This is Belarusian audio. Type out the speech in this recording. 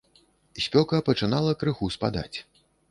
Спёка пачынала крыху спадаць.